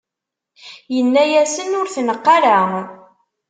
inna-asen: Ur t-neqq ara!